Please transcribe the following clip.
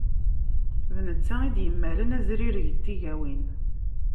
D netta i d-yemmalen azrireg n tigawin.